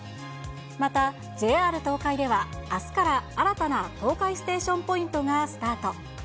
またＪＲ東海では、あすから新たな東海ステーションポイントがスタート。